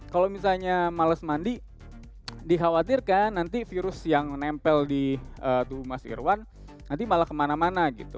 kalau misalnya males mandi dikhawatirkan nanti virus yang menempel di tubuh mas irwan nanti malah kemana mana gitu